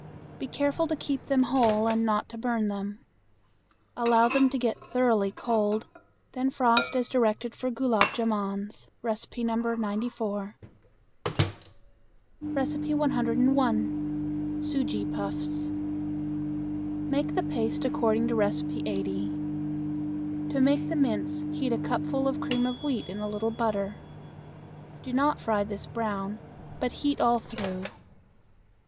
Be careful to keep them whole and not to burn them. Allow them to get thoroughly cold, then frost as directed for gulab jamans (No. 94). 101. Sujee Puffs. Make the paste according to No. 80. To make the mince heat a cupful of cream of wheat in a little butter. Do not fry this brown, but heat all through.